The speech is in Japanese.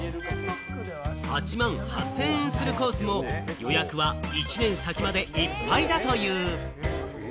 ８万８０００円するコースも予約は１年先までいっぱいだという。